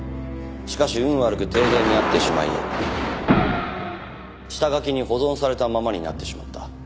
しかし運悪く停電になってしまい下書きに保存されたままになってしまった。